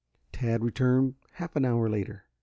Tad returned half an hour later.